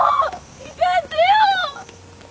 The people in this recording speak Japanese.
行かんでよ！